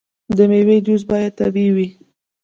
د میوو جوس باید طبیعي وي.